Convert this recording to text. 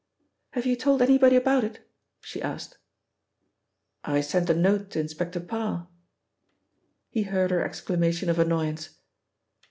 "Have you told anybody about it?" she asked. "I sent a note to Inspector Parr." He heard her exclamation of annoyance.